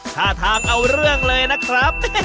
ท่าทางเอาเรื่องเลยนะครับ